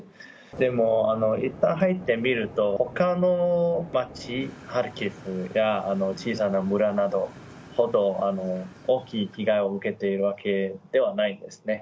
でもいったん入ってみると、ほかの街、ハルキウや小さな村ほど大きな被害を受けているわけではないんですね。